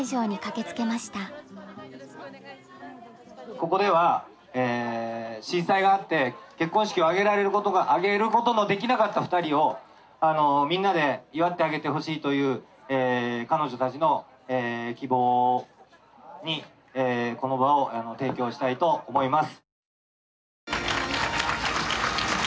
ここでは震災があって結婚式を挙げることのできなかった２人をみんなで祝ってあげてほしいという彼女たちの希望にこの場を提供したいと思います。